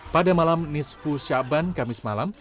pada malam nisfu syaban kamis malam